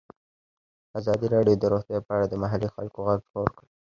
ازادي راډیو د روغتیا په اړه د محلي خلکو غږ خپور کړی.